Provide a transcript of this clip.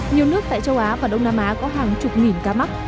nhiều nước tại châu á và đông nam á có hàng chục nghìn ca mắc